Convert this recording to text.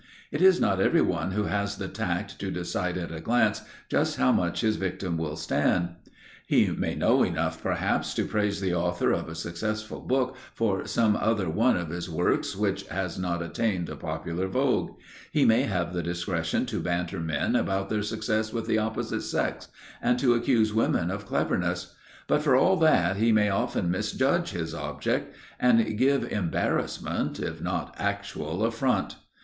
It is not everyone who has the tact to decide at a glance just how much his victim will stand. He may know enough, perhaps, to praise the author of a successful book for some other one of his works which has not attained a popular vogue; he may have the discretion to banter men about their success with the opposite sex, and to accuse women of cleverness; but for all that he may often misjudge his object, and give embarrassment if not actual affront.